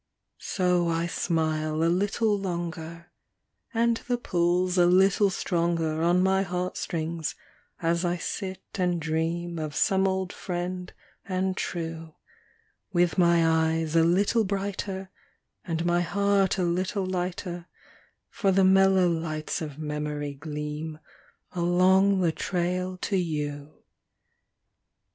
S O I smile a little longer, And the pull's a little stronger On mg heart strings as I sit and ] dream of some old "friend and true °(Dith mg eges a little brighter And mg heart a little lighter, por the mellow lights OT memorij qleam Aloncj the trail to gou.